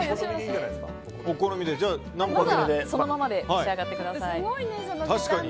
じゃあ、そのままで召し上がってください。